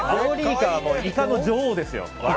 イカの女王ですよ。